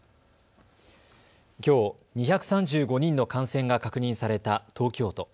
きょう２３５人の感染が確認された東京都。